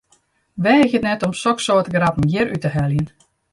Weagje it net om soksoarte grappen hjir út te heljen!